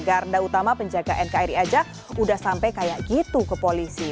garda utama penjaga nkri aja udah sampai kayak gitu ke polisi